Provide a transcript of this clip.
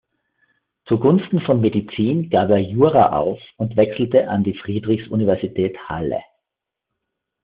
Zugunsten von Medizin gab er Jura auf und wechselte an die Friedrichs-Universität Halle.